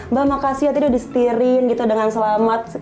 mbak makasih ya tadi udah disetirin gitu dengan selamat